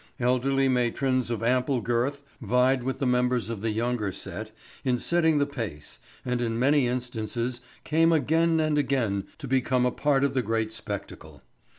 Elderly matrons of ample girth vied with the members of the younger set in setting the pace and in many instances came again and again to become a part of the great spectacle.